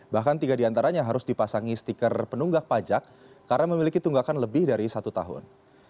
bahkan tiga diantaranya harus dipasangi stiker penunggak pajak karena memiliki tunggakan lebih dari satu tahun